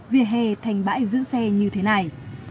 vìa hè thành bãi giữ xe như thế này